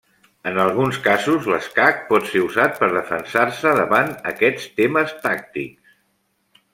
En alguns casos, l'escac pot ser usat per defensar-se davant aquests temes tàctics.